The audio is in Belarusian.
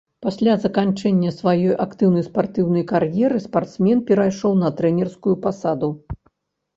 Пасля заканчэння сваёй актыўнай спартыўнай кар'еры спартсмен перайшоў на трэнерскую пасаду.